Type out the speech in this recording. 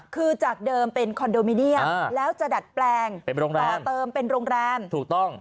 คือจากเดิมเป็นคอนโดมิเนียมแล้วจะดัดแปลงเป็นโรงแรมต่อเติมเป็นโรงแรมถูกต้อง